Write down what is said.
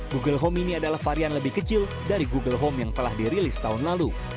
google home ini adalah varian lebih kecil dari google home yang telah dirilis tahun lalu